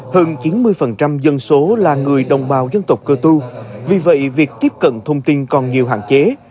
hơn chín mươi dân số là người đồng bào dân tộc cơ tu vì vậy việc tiếp cận thông tin còn nhiều hạn chế